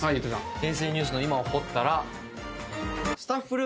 「平成ニュースの今を掘ったら」